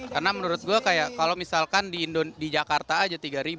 karena menurut gue kayak kalau misalkan di jakarta aja tiga